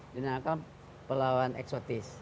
dan kita pelawan eksotis